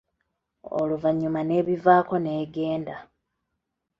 Oluvanyuma n'ebivaako n'egenda.